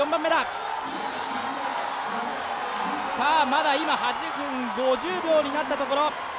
まだ今８分５０秒になったところ。